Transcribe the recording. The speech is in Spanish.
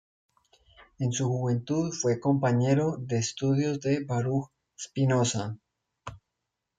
En su juventud fue compañero de estudios de Baruch Spinoza.